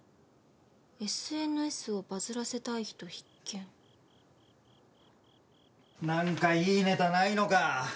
「ＳＮＳをバズらせたい人必見」なんかいいネタないのか？